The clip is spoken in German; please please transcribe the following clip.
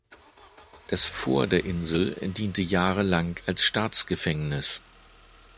Das Fort der Insel diente jahrelang als Staatsgefängnis.